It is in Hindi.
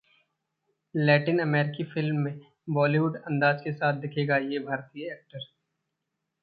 लैटिन अमेरिकी फिल्म में बॉलीवुड अंदाज के साथ दिखेगा ये भारतीय एक्टर